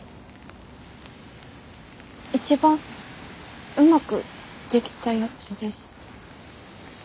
一番うまくできたやつです。